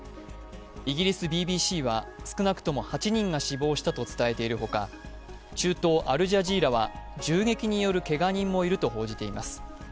イギリスＢＢＣは少なくとも８人が死亡したと伝えているほか、中東アルジャジーラは銃撃によるけが人もいると報じています。